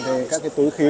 thì các cái túi khí